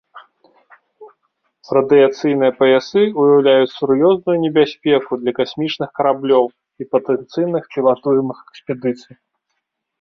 Радыяцыйныя паясы ўяўляюць сур'ёзную небяспеку для касмічных караблёў і патэнцыйных пілатуемых экспедыцый.